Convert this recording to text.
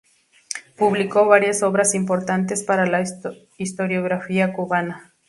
Publicó varias obras importantes para la historiografía cubana.